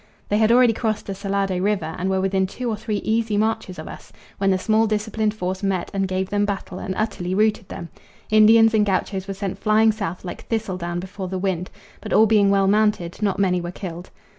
They had already crossed the Salado river and were within two or three easy marches of us, when the small disciplined force met and gave them battle and utterly routed them. Indians and gauchos were sent flying south like thistle down before the wind; but all being well mounted, not many were killed.